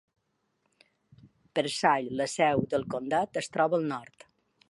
Pearsall, la seu del comtat, es troba al nord.